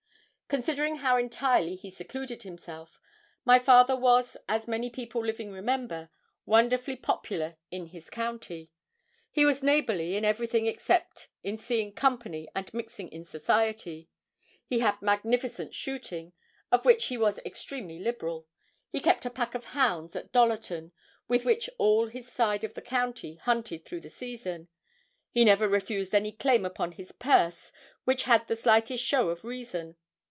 Considering how entirely he secluded himself, my father was, as many people living remember, wonderfully popular in his county. He was neighbourly in everything except in seeing company and mixing in society. He had magnificent shooting, of which he was extremely liberal. He kept a pack of hounds at Dollerton, with which all his side of the county hunted through the season. He never refused any claim upon his purse which had the slightest show of reason.